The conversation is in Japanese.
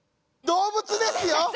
動物ですよ！